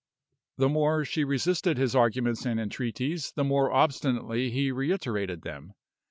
The more she resisted his arguments and entreaties, the more obstinately he reiterated them.